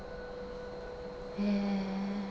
へえ。